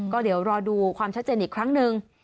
ก็เดี๋ยวรอดูความชัดเจนอีกครั้งหนึ่ง